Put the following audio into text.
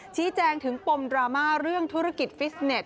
ชี้แจงถึงปมดราม่าเรื่องธุรกิจฟิสเน็ต